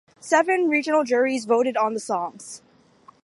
Seven regional juries voted on the songs.